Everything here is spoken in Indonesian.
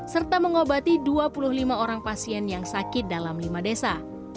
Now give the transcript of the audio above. serta mengobati dua puluh lima orang pasien yang sakit dalam lima desa